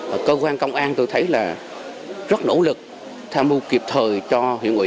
và cơ quan công an tôi thấy là rất nỗ lực tham mưu kịp thời cho huyện ủy